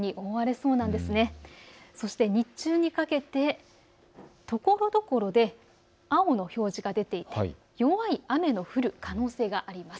そして日中にかけてところどころで青の表示が出ていて弱い雨の降る可能性があります。